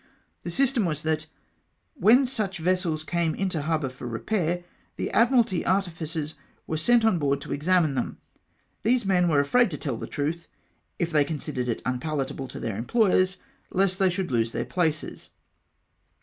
The system was, that when such vessels came into harbour for repair, the Admiralty artificers were sent on board to examine them. These men were afraid to tell the truth, if they considered it unpalatable to their employers, lest they should lose their places.